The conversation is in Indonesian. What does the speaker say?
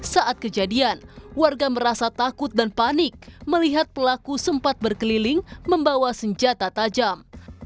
saat kejadian warga merasa takut dan panik melihat pelaku sempat berkeliling membawa senjata tajam